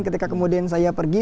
ketika kemudian saya pergi